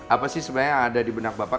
apa sih sebenarnya yang ada di benak bapak